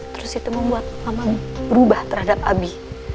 terus itu membuat mama berubah terhadap abi